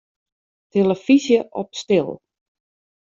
Tillefyzje op stil.